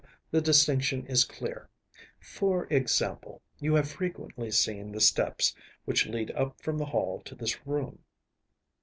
The distinction is clear. For example, you have frequently seen the steps which lead up from the hall to this room.